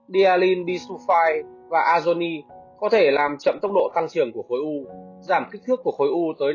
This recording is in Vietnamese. d alin b sulfide và azoni có thể làm chậm tốc độ tăng trưởng của khối u giảm kích thước của khối u tới năm mươi